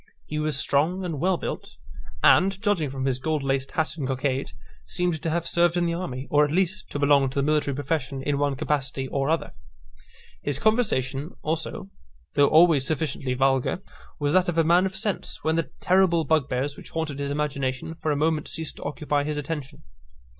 He was strong and well built; and, judging from his gold laced hat and cockade, seemed to have served in the army, or, at least, to belong to the military profession in one capacity or other. His conversation also, though always sufficiently vulgar, was that of a man of sense, when the terrible bugbears which haunted his imagination for a moment ceased to occupy his attention.